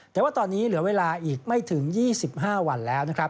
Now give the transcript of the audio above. แต่ว่าตอนนี้เหลือเวลาอีกไม่ถึง๒๕วันแล้วนะครับ